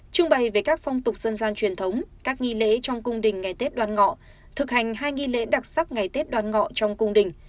trưng bày về các phong tục dân gian truyền thống các nghi lễ trong cung đình ngày tết đoàn ngọ thực hành hai nghi lễ đặc sắc ngày tết đoàn ngọ trong cung đình